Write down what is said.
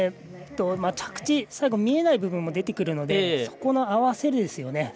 着地、最後見えない部分も出てくるのでそこの合わせですよね。